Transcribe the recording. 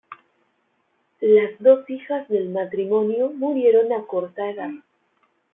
Las dos hijas del matrimonio murieron a corta edad.